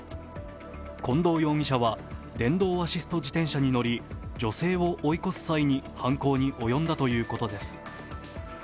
近藤容疑者は、電動アシスト自転車に乗り女性を追い越す際に犯行に及んだということです。